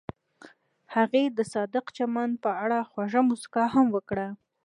هغې د صادق چمن په اړه خوږه موسکا هم وکړه.